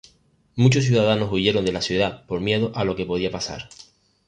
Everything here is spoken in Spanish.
Muchos ciudadanos huyeron de la ciudad por miedo a lo que podía pasar.